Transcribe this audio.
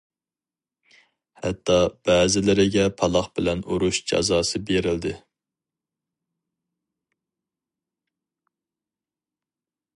ھەتتا بەزىلىرىگە پالاق بىلەن ئۇرۇش جازاسى بېرىلدى.